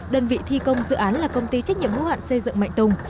đơn vị thi công dự án là công ty trách nhiệm hữu hạn xây dựng mạnh tùng